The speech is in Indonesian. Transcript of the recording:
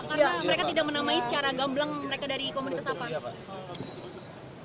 karena mereka tidak menamai secara gamblang mereka dari komunitas apa